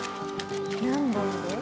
何本で？